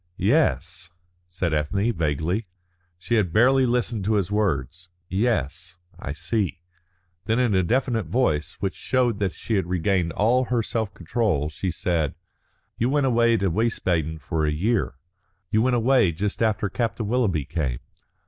"Yes," said Ethne, vaguely. She had barely listened to his words. "Yes, I see." Then in a definite voice, which showed that she had regained all her self control, she said: "You went away to Wiesbaden for a year. You went away just after Captain Willoughby came.